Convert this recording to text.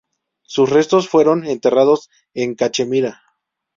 Sus restos fueron enterrados en Cachemira.